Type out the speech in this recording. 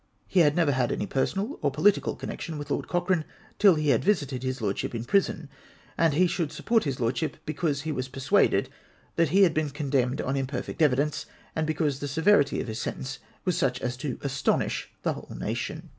He had never had any personal or political connection with Lord Cochrane till he visited his Lordship in prison ; and he should support his Lordship because he was persuaded that he had been con demned on imperfect evidence, and because the severity of his sentence was such as to astonish the whole nation.